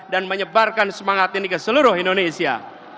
dan menyebarkan semangat ini ke seluruh indonesia